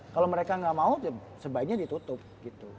kalau mereka gak mau sebaiknya ditutup gitu